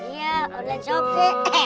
iya udah jauh